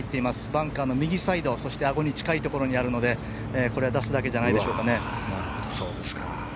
バンカーの右サイドアゴに近いところにあるのでこれが出すだけじゃないでしょうかね。